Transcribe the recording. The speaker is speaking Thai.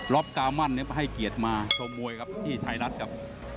กามั่นให้เกียรติมาชมมวยครับที่ไทยรัฐครับ